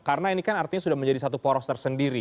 karena ini kan artinya sudah menjadi satu poros tersendiri